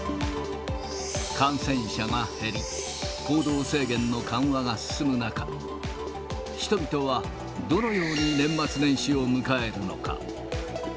感染者が減り、行動制限の緩和が進む中、人々はどのように年末年始を迎えるのか。